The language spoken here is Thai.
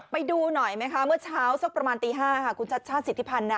ไปดูหน่อยไหมคะเมื่อเช้าสักประมาณตี๕ค่ะคุณชัชชาติสิทธิพันธ์นะ